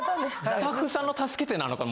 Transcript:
スタッフさんの「助けて」なのか。